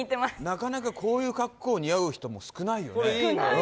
なかなかこういう格好が似合う人も少ないよね。